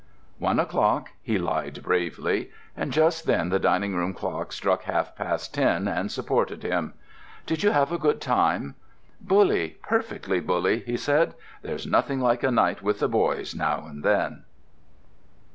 "One o'clock," he lied bravely—and just then the dining room clock struck half past ten and supported him. "Did you have a good time?" "Bully—perfectly bully," he said. "There's nothing like a night with the boys now and then."